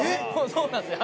そうなんですよ。